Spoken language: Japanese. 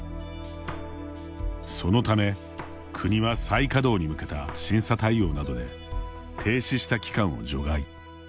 そのため、国は再稼働に向けた審査対応などで停止した期間を除外。